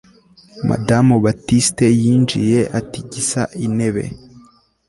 Madamu Baptiste yinjiye atigisa intebe